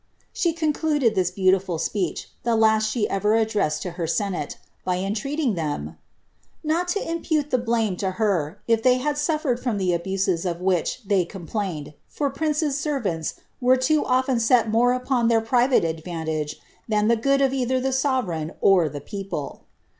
She concluded this beautiful speech, the last she cier addressed to her senate, by entreating them "not to impute the blsmc to her, if they had suffered from the ahnses of which they complainci for princes' servants were too often set more upon their private adian tage. than the good of either the sovereign or the people."